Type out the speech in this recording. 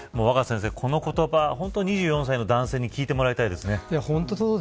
この言葉を２４歳の男性に聞いてもらいたいですね。